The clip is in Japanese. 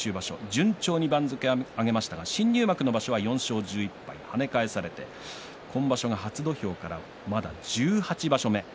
順調に番付を上げましたが新入幕の場所は４勝１１敗で跳ね返されて今場所が初土俵からまだ１８場所目。